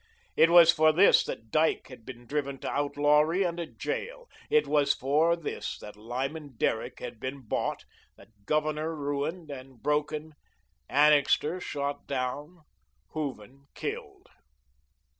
It was for this that Dyke had been driven to outlawry and a jail. It was for this that Lyman Derrick had been bought, the Governor ruined and broken, Annixter shot down, Hooven killed.